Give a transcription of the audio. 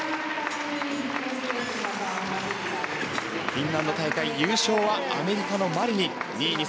フィンランド大会優勝はアメリカのマリニン。